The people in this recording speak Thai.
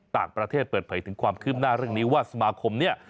ต่างประเทศเปิดเผยถึงความคืบหน้าเรื่องนี้ว่าสมาคมเนี่ย